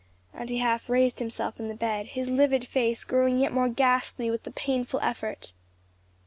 and he half raised himself in the bed, his livid face growing yet more ghastly with the painful effort.